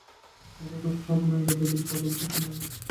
মাথা তো খারাপ নয় যাদবের, পাগল তো তিনি নন।